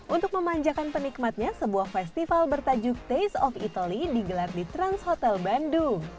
untuk memanjakan penikmatnya sebuah festival bertajuk taste of italy digelar di trans hotel bandung